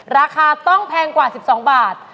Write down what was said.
ราคาต้องแพงกว่า๑๒บาท